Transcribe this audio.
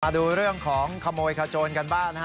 ดูเรื่องของขโมยขโจนกันบ้าง